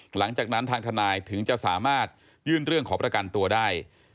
หลังจากนั้นทางทนายถึงจะสามารถยื่นเรื่องขอประกันตัวได้